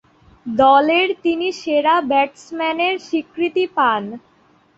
দলের তিনি সেরা ব্যাটসম্যানের স্বীকৃতি পান।